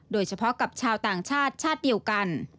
โดยเฉพาะกับชาวต่างชาติชาติเดียวกัน